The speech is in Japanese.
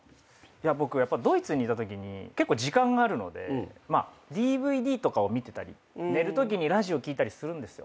僕ドイツにいたときに結構時間があるのでまあＤＶＤとかを見てたり寝るときにラジオ聴いたりするんですよ。